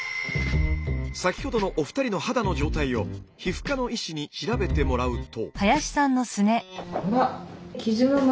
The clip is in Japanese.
先ほどのお二人の肌の状態を皮膚科の医師に調べてもらうと。